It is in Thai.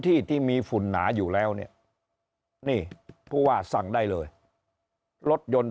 ที่ที่มีฝุ่นหนาอยู่แล้วเนี่ยนี่ผู้ว่าสั่งได้เลยรถยนต์